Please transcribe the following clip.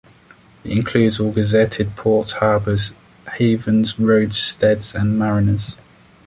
It includes all gazetted ports, harbours, havens, roadsteads and marinas.